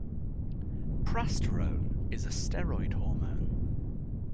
Prasterone is a steroid hormone.